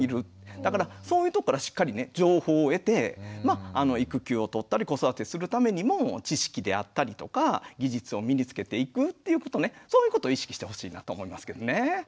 だからそういうとこからしっかりね情報を得てまあ育休をとったり子育てするためにも知識であったりとか技術を身につけていくっていうことねそういうことを意識してほしいなと思いますけどね。